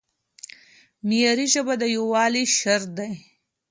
معیاري ژبه د یووالي شرط دی.